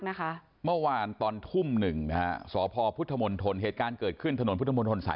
เมื่อวานตอนทุ่มหนึ่งสพพุทธมนธนเหตุการณ์เกิดขึ้นทนพท๔